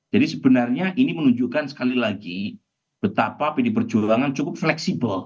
jadi sebenarnya ini menunjukkan sekali lagi betapa pd perjuangan cukup fleksibel